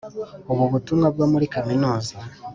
ubu butumwa bwo muri kaminuza